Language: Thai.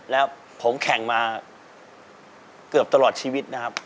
แล้วผมแข่งมาเกือบตลอดชีวิตนะครับ